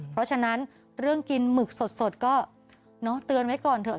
เพราะฉะนั้นเรื่องกินหมึกสดก็เตือนไว้ก่อนเถอะ